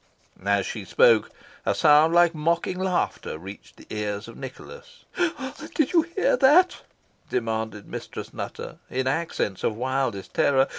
As she spoke, a sound like mocking laughter reached the ears of Nicholas. "Did you hear that?" demanded Mistress Nutter, in accents of wildest terror.